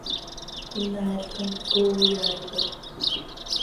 Inaail com tcooo yaailoj.